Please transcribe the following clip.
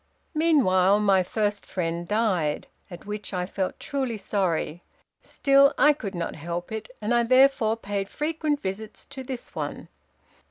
"Meanwhile my first friend died, at which I felt truly sorry, still I could not help it, and I therefore paid frequent visits to this one.